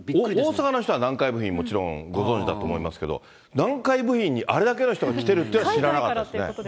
大阪の人は南海部品、もちろん、ご存じだと思いますけど、南海部品にあれだけの人が来てるっていうのは知らなかったですね。